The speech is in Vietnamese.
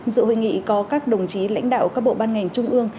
dự hội nghị có các đồng chí lãnh đạo các bộ ban ngành trung ương